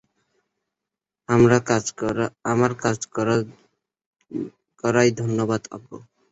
আমার কাজ করায় ধন্যবাদ, আব্বু।